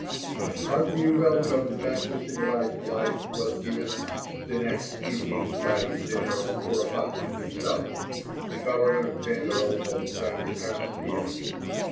A hearty welcome back to civilized life was given us the next evening by General Kuropatkine himself, the Governor General of Transcaspia.